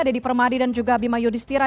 deddy permadi dan juga bima yudhistira